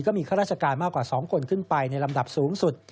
ข้าราชการมากกว่า๒คนขึ้นไปในลำดับสูงสุด